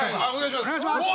お願いします。